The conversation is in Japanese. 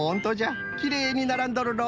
きれいにならんどるの。